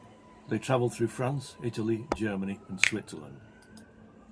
They traveled through France, Italy, Germany, and Switzerland.